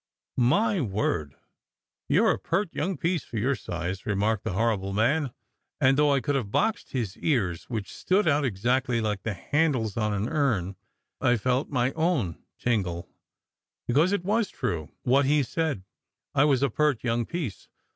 "My word! You re a pert young piece for your size!" remarked the horrible man; and though I could have boxe d his ears (which stood out exactly like the handles on an urn), I felt my own tingle, because it was true, what he said: I was a pert young piece.